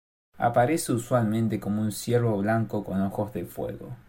Aparece usualmente como un ciervo blanco con ojos de fuego.